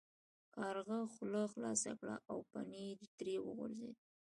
کارغه خوله خلاصه کړه او پنیر ترې وغورځید.